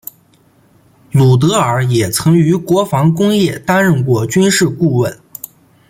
鲁德尔也曾于国防工业担任过军事顾问。